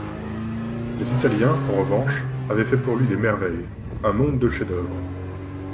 Les Italiens, en revanche, avaient fait pour lui des merveilles, un monde de chefs-d'oeuvre.